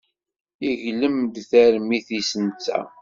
Iglem-d tarmit-is netta.